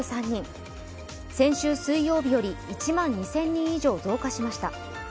先週水曜日より１万２０００人以上増加しました。